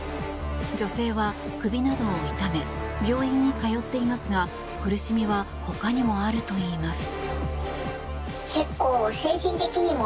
女性は首などを痛め病院に通っていますが苦しみは他にもあるといいます。